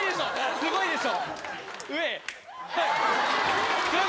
すごいでしょ。